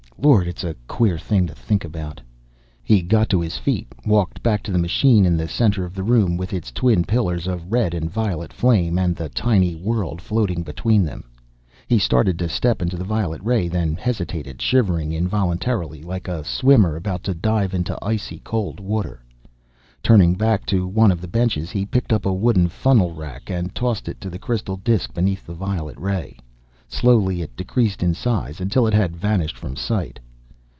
Lord, it's a queer thing to think about!" He got to his feet, walked back to the machine in the center of the room, with its twin pillars of red and violet flame, and the tiny world floating between them. He started to step into the violet ray, then hesitated, shivering involuntarily, like a swimmer about to dive into icy cold water. Turning back to one of the benches, he picked up a wooden funnel rack, and tossed it to the crystal disk beneath the violet ray. Slowly it decreased in size, until it had vanished from sight.